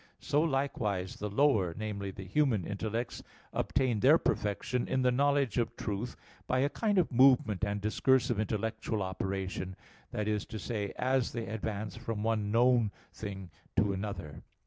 So, likewise, the lower, namely, the human, intellects obtain their perfection in the knowledge of truth by a kind of movement and discursive intellectual operation; that is to say, as they advance from one known thing to another.